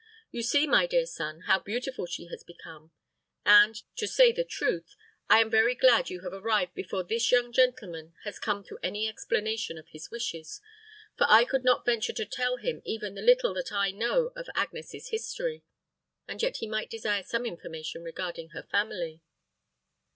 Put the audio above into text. You see, my dear son, how beautiful she has become; and, to say the truth, I am very glad you have arrived before this young gentleman has come to any explanation of his wishes; for I could not venture to tell him even the little that I know of Agnes's history, and yet he might desire some information regarding her family."